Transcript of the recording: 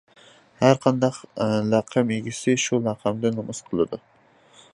ھەرقانداق لەقەم ئىگىسى شۇ لەقەمدىن نومۇس قىلىدۇ.